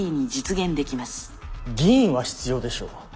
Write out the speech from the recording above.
議員は必要でしょう。